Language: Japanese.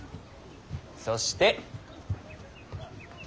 そして。